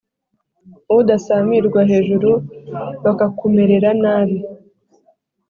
Udasamirwa hejuru bakakumerera nabi